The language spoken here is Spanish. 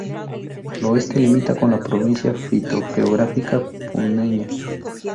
Al oeste limita con la Provincia fitogeográfica Puneña.